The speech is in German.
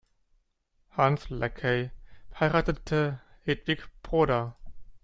Hans Luckey heiratete Hedwig Broda.